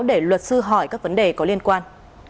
để luật sư hỏi các vấn đề có liên quan